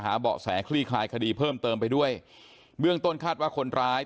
เบาะแสคลี่คลายคดีเพิ่มเติมไปด้วยเบื้องต้นคาดว่าคนร้าย